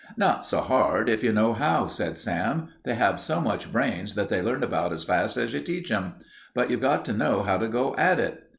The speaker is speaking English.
"Not so hard, if you know how," said Sam. "They have so much brains that they learn about as fast as you teach 'em. But you've got to know how to go at it.